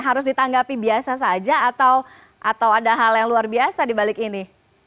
harus ditanggapi biasa saja atau ada hal yang luar biasa dibalik ini